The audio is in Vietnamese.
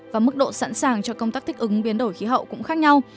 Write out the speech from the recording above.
và mức độ sẵn sàng cho công tác thích ứng biến đổi khí hậu cũng khác nhau